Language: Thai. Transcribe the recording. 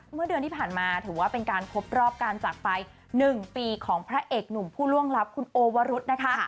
เมื่อเดือนที่ผ่านมาถือว่าเป็นการครบรอบการจากไป๑ปีของพระเอกหนุ่มผู้ล่วงลับคุณโอวรุษนะคะ